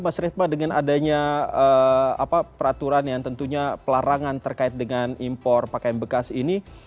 mas ritma dengan adanya peraturan yang tentunya pelarangan terkait dengan impor pakaian bekas ini